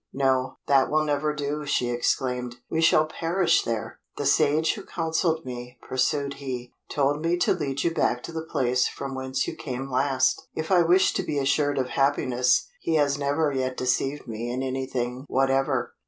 "No, that will never do," she exclaimed; "we shall perish there!" "The sage who counselled me," pursued he, "told me to lead you back to the place from whence you came last, if I wished to be assured of happiness: he has never yet deceived me in anything whatever."